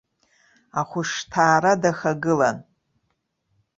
Ахәышҭаара дахагылан.